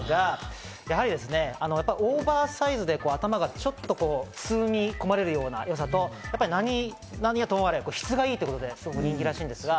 やはりオーバーサイズで頭がちょっと包み込まれるようなよさと何はともあれ質が良いということで人気らしい。